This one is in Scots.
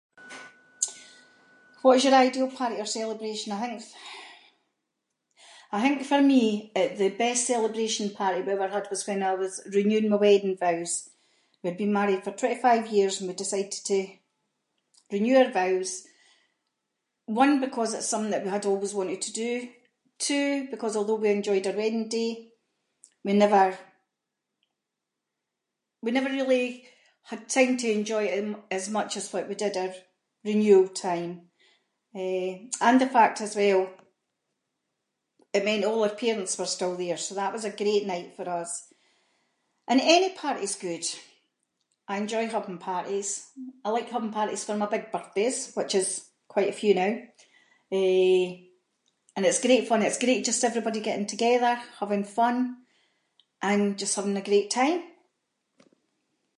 What is your ideal party or celebration? I think- I think for me it- the best celebration party we ever had was when I was renewing my wedding vows. We had been married for twenty-five years, and we decided to renew our vows. One because it was something that we had always wanted to do. Two because although we enjoyed our wedding day, we never- we never really had time to enjoy it as much as what we did our renewal time. Eh, and the fact as well, it meant all our parents were still there, so that was a great night for us. And any party’s good. I enjoy having parties. I like having parties for my big birthdays, which is quite a few now. Eh and it’s great fun, it’s great just everybody getting together, having fun, and just having a great time.